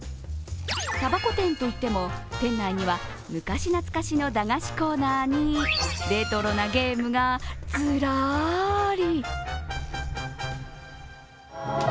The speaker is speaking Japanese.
たばこ店といっても昔懐かしの駄菓子コーナーに、レトロなゲームがずらり。